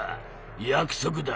約束だ。